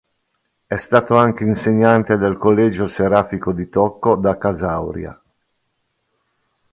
È stato anche insegnante del Collegio serafico di Tocco da Casauria.